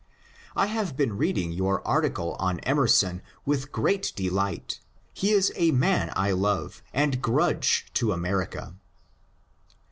I have been reading your article on Emerson with great delight. He is a man 1 love, and grudge to America.